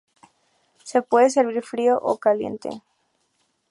Se puede servir frío o caliente.